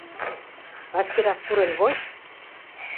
Вашкерак пурен воч!